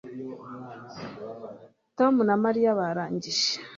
tom na mariya barangije